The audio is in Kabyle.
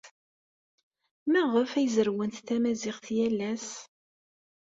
Maɣef ay zerrwent tamaziɣt yal ass?